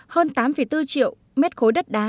hơn tám bốn triệu m ba đất đá